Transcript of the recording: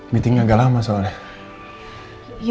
meetingnya gak lama soalnya